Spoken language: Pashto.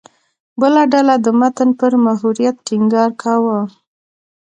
بله ډله د متن پر محوریت ټینګار کاوه.